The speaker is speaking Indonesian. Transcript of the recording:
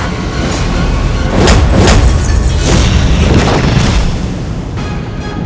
lindungilah dia ya allah